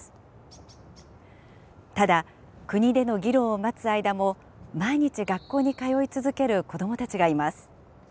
ただ国での議論を待つ間も毎日学校に通い続ける子どもたちがいます。